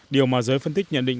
điều mà giới phân tích nhận định